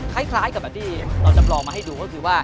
ลักษณะคล้ายกับที่เราจะปลอมมาให้ดูก็คือว่า